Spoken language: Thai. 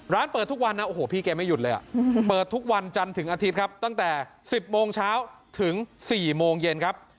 เปิดทุกวันนะโอ้โหพี่แกไม่หยุดเลยเปิดทุกวันจันทร์ถึงอาทิตย์ครับตั้งแต่๑๐โมงเช้าถึง๔โมงเย็นครับ